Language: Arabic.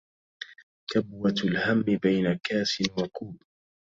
كبوة الهم بين كاس وكوب